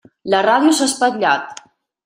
La ràdio s'ha espatllat.